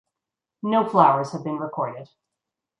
No flowers have been recorded.